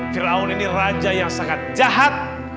firaun ⁇ ini raja yang sangat jahat